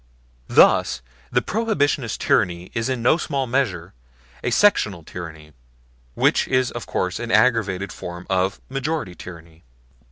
Thus the Prohibitionist tyranny is in no small measure a sectional tyranny, which is of course an aggravated form of majority tyranny.